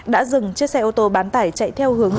đã dừng chiếc xe ô tô bán tải chạy theo hướng